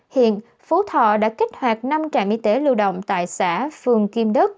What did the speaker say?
hiện phú thọ đã kích hoạt năm trạm y tế lưu động tại xã phường kim đức